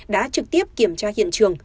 đã trực tiếp kiểm tra hiện trường